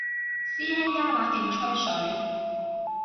師兄加把勁吹水